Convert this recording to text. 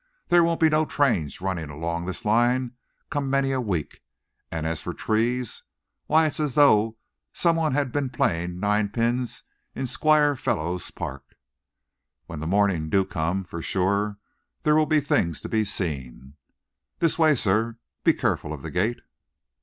There won't be no trains running along this line come many a week, and as for trees why, it's as though some one had been playing ninepins in Squire Fellowes's park. When the morning do come, for sure there will be things to be seen. This way, sir. Be careful of the gate."